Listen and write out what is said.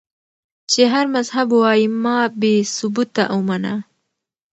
چې هر مذهب وائي ما بې ثبوته اومنه